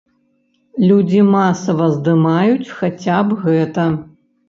Людзі масава здымаюць хаця б гэта.